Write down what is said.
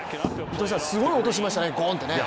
すごい音しましたね、ゴンってね。